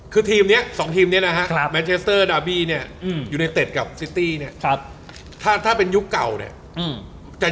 คือทีมเนี่ย๒ทีมเนี่ยนะฮะ